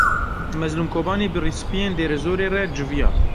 Mezlûm Kobanî bi rîsipiyên Dêrezorê re civiya.